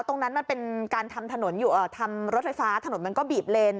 ตรงนั้นมันเป็นการทำรถไฟฟ้าถนนมันก็บีบเลน